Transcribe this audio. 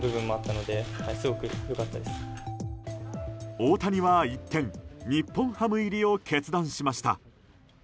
大谷は一転、日本ハム入りを決断しました。